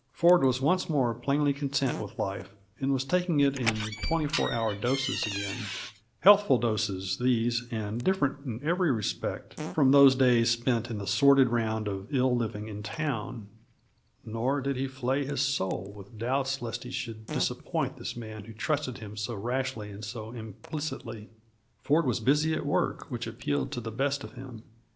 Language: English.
Ford was once more plainly content with life, and was taking it in twenty four hour doses again; healthful doses, these, and different in every respect from those days spent in the sordid round of ill living in town; nor did he flay his soul with doubts lest he should disappoint this man who trusted him so rashly and so implicitly. Ford was busy at work which appealed to the best of him.